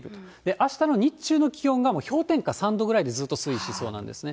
あしたの日中の気温が、もう氷点下３度ぐらいでずっと推移しそうなんですね。